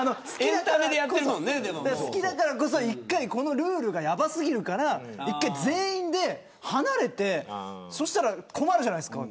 好きだからこそ１回このルールがやばすぎるから１回全員で離れてそうしたら困るじゃないですか。